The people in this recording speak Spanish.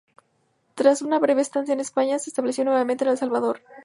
Tras una breve estancia en España, se estableció nuevamente en El Salvador.